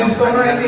oh di setoran ini